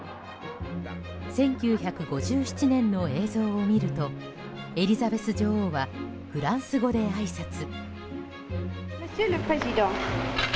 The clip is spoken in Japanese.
１９５７年の映像を見るとエリザベス女王はフランス語であいさつ。